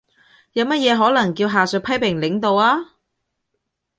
有乜嘢可能叫下屬批評領導呀？